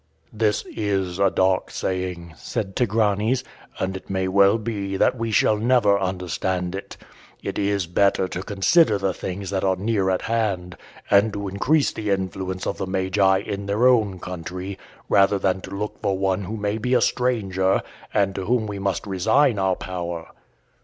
'" "This is a dark saying," said Tigranes, "and it may be that we shall never understand it. It is better to consider the things that are near at hand, and to increase the influence of the Magi in their own country, rather than to look for one who may be a stranger, and to whom we must resign our power."